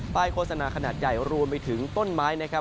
โฆษณาขนาดใหญ่รวมไปถึงต้นไม้นะครับ